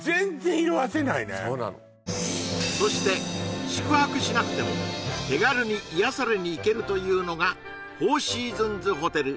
そして宿泊しなくても手軽に癒やされに行けるというのがフォーシーズンズホテル